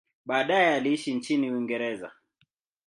Baadaye aliishi nchini Uingereza.